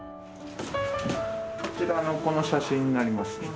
こちらのこの写真になります。